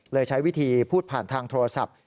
ใช้วิธีพูดผ่านทางโทรศัพท์